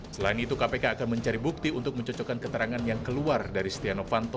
selain itu kpk akan mencari bukti untuk mencocokkan keterangan yang keluar dari setia novanto